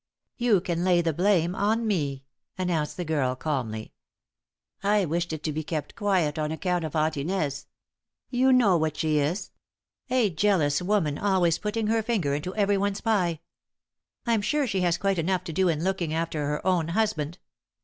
"You can lay the blame on me," announced the girl, calmly. "I wished it to be kept quiet on account of Aunt Inez. You know what she is a jealous woman always putting her finger into everyone's pie. I'm sure she has quite enough to do in looking after her own husband.